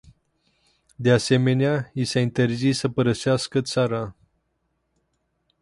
De asemenea, i s-a interzis să părăsească țara.